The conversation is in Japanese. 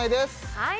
はい